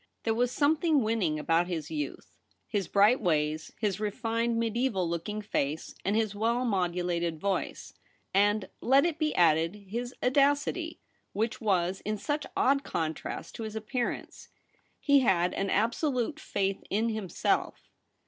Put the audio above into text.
There was something winning about his youth, his bright ways, his refined, mediaeval looking face, and his well modulated voice ; and, let it be added, his audacity, which was in such odd contrast to his ap pearance. He had an absolute faith in himself.